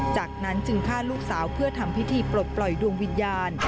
จากนั้นจึงฆ่าลูกสาวเพื่อทำพิธีปลดปล่อยดวงวิญญาณ